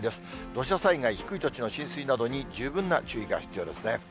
土砂災害、低い土地の浸水などに十分な注意が必要ですね。